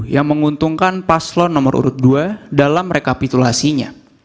yang menguntungkan paslon nomor urut dua dalam rekapitulasinya